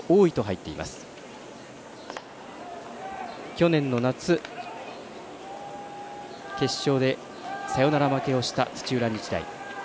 去年の夏、決勝でサヨナラ負けをした土浦日大。